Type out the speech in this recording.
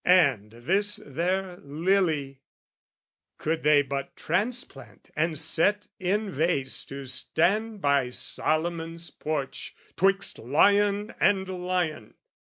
And this their lily, could they but transplant And set in vase to stand by Solomon's porch 'Twixt lion and lion!